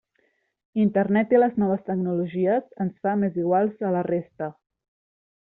Internet i les noves tecnologies ens fa més iguals a la resta.